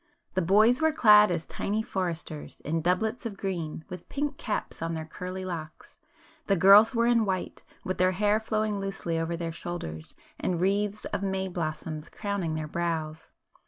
The boys were clad as tiny foresters, in doublets of green, with pink caps on their curly locks,—the girls were in white, with their hair flowing loosely over their shoulders, and wreaths of May blossom crowning their brows.